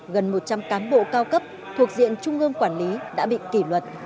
gần một trăm linh cán bộ cao cấp thuộc diện trung ương quản lý đã bị kỷ luật